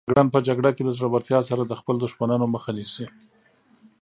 جګړن په جګړه کې د زړورتیا سره د خپلو دښمنانو مخه نیسي.